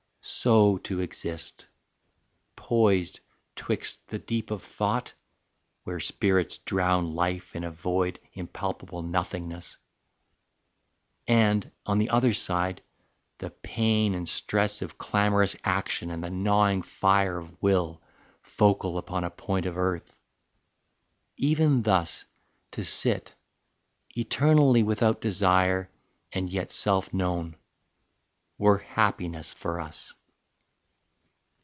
So to exist, Poised 'twixt the deep of thought where spirits drown Life in a void impalpable nothingness, And, on the other side, the pain and stress Of clamorous action and the gnawing fire Of will, focal upon a point of earth even thus To sit, eternally without desire And yet self known, were happiness for us.